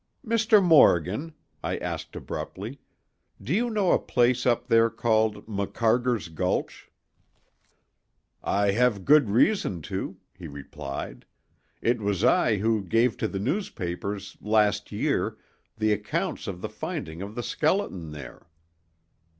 "Mr. Morgan," I asked abruptly, "do you know a place up there called Macarger's Gulch?" "I have good reason to," he replied; "it was I who gave to the newspapers, last year, the accounts of the finding of the skeleton there."